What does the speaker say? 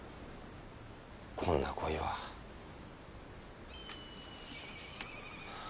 こんな恋はハァ。